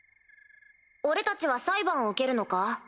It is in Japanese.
俺たちは裁判を受けるのか？